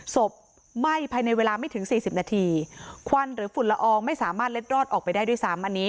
ไหม้ภายในเวลาไม่ถึงสี่สิบนาทีควันหรือฝุ่นละอองไม่สามารถเล็ดรอดออกไปได้ด้วยซ้ำอันนี้